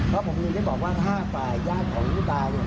เพราะผมอยู่ที่บอกว่า๕ฝ่ายย่าของผู้ตายเนี่ย